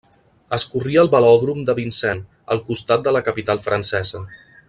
Es corria al Velòdrom de Vincennes, al costat de la capital francesa.